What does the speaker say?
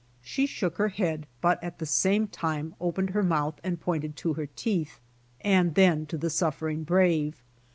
She shook her head but at the same time opened her mouth and pointed to her teeth, and then to the suffering brave.